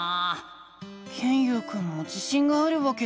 ケンユウくんも自しんがあるわけじゃないんだ。